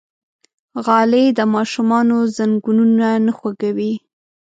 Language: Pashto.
غالۍ د ماشومانو زنګونونه نه خوږوي.